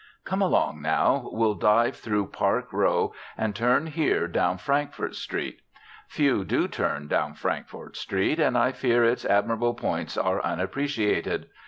Come along now. We'll dive through Park Row and turn here down Frankfort Street. Few do turn down Frankfort Street, and I fear its admirable points are unappreciated.